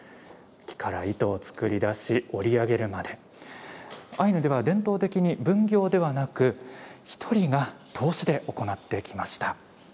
木から糸を作りだし織り上げるまでアイヌでは伝統的に分業ではなく１人が通しで行ってきました。